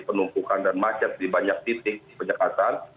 penumpukan dan macet di banyak titik di penyekatan